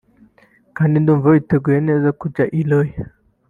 kandi ndumva twiteguye neza kujya i Rio